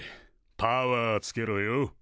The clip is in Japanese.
パワーつけろよ。